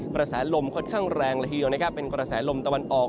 กระแสลมค่อนข้างแรงละทีเดียวนะครับเป็นกระแสลมตะวันออก